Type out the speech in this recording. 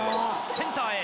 センターへ。